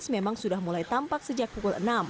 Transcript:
memang sudah mulai tampak sejak pukul enam